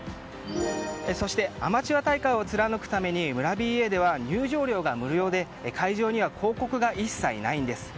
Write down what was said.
そしてアマチュア大会を貫くために村ＢＡでは入場料が無料で会場には広告が一切ないんです。